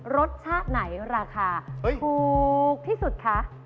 รสชาติไหนราคาถูกที่สุดคะ